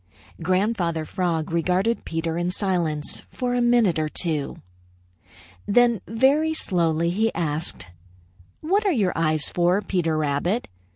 Grandfather Frog regarded Peter in silence for a minute or two. Then very slowly he asked: "What are your eyes for, Peter Rabbit?